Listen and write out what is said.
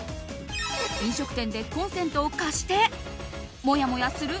飲食店でコンセントを貸してもやもやする？